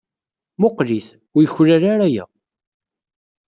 Mmuqqel-it. Ur yuklal ara aya.